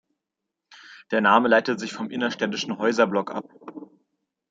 Der Name leitet sich vom innerstädtischen Häuserblock ab.